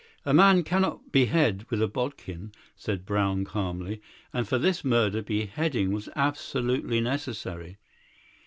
"A man cannot behead with a bodkin," said Brown calmly, "and for this murder beheading was absolutely necessary."